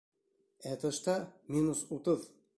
Ә тышта -минус утыҙ!